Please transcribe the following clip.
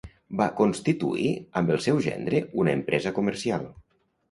Va constituir amb el seu gendre una empresa comercial.